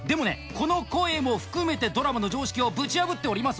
この声も含めてドラマの常識をぶち破っております